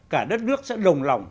cả đất nước sẽ đồng lòng